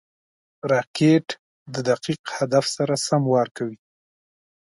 راکټ د دقیق هدف سره سم وار کوي